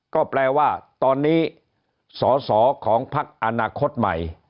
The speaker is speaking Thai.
ก็แปลว่าตอนนี้สอสอของพักอนาคตใหม่